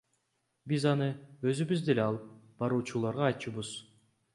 Биз аны өзүбүз деле алып баруучуларга айтчубуз.